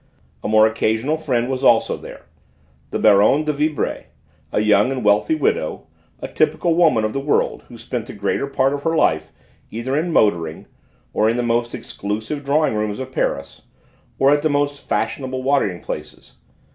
A more occasional friend was also there, the Baronne de Vibray, a young and wealthy widow, a typical woman of the world who spent the greater part of her life either in motoring, or in the most exclusive drawing rooms of Paris, or at the most fashionable watering places.